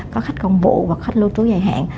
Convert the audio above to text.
có khách công vụ hoặc khách lưu trú dài hạn